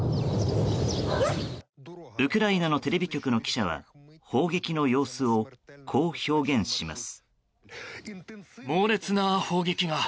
ウクライナのテレビ局の記者は砲撃の様子を、こう表現します。